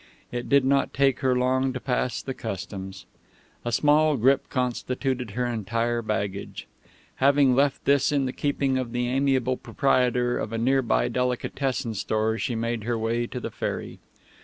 It did not take her long to pass the Customs. A small grip constituted her entire baggage. Having left this in the keeping of the amiable proprietor of a near by delicatessen store, she made her way to the ferry.